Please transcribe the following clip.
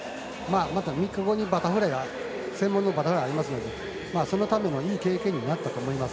また、３日後に専門のバタフライがありますのでそのためのいい経験になったと思います。